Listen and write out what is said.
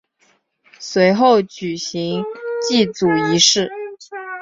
随后举行祭祖仪式。